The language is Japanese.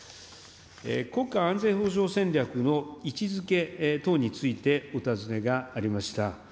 国家安全保障戦略の位置づけ等についてお尋ねがありました。